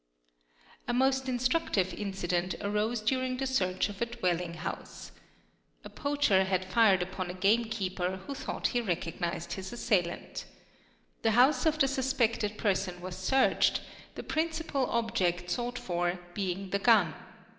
A most instructive incident arose during the search of a dwelling ouse. A poacher had fired upon a game keeper who thought he : gognised his assailant. 'The house of the suspected person was searched, le principal object sought for being the gun.